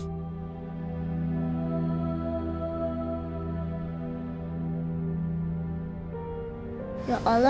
padahal dia orang yang baik dan tulus